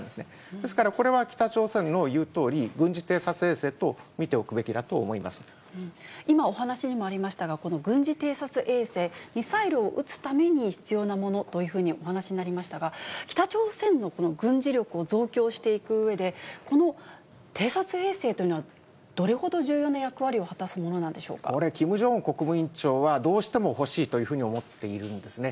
ですからこれは、北朝鮮の言うとおり、軍事偵察衛星と見ておくべ今お話にもありましたが、この軍事偵察衛星、ミサイルを打つために必要なものというふうにお話になりましたが、北朝鮮のこの軍事力を増強していくうえで、この偵察衛星というのはどれほど重要な役割を果たすものなんでしこれ、キム・ジョンウン国務委員長は、どうしても欲しいというふうに思っているんですね。